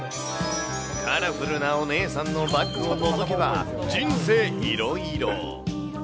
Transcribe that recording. カラフルなお姉さんのバッグをのぞけば、人生いろいろ。